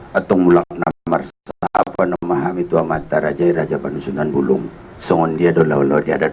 ketemu laknar shah bahwa memahami tua mantar rajai raja panusun dan bulung second dia dulu era lima